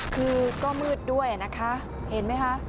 คือก็มืดด้วยนะคะเห็นไหมคะ